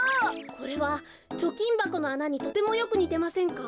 これはちょきんばこのあなにとてもよくにてませんか？